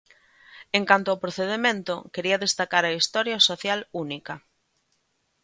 En canto ao procedemento, quería destacar a historia social única.